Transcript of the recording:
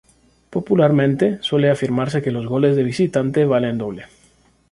Popularmente, suele afirmarse que los goles de visitante "valen doble".